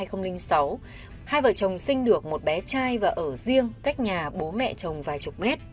hai vợ chồng sinh được một bé trai và ở riêng cách nhà bố mẹ chồng vài chục mét